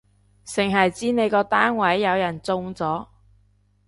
剩係知你個單位有人中咗